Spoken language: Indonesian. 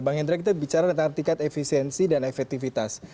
bang hendra kita bicara tentang tingkat efisiensi dan efektivitas